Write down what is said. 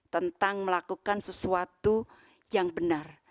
tentang melakukan sesuatu yang benar